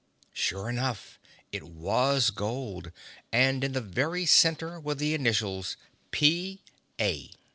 Sure enough! It was gold and in the very centre were the initials P. A.